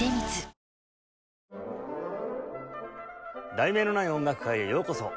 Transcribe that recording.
『題名のない音楽会』へようこそ。